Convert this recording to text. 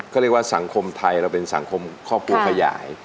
เขาเรียกว่าสังคมไทยเราเป็นสังคมครอบครัวขยาย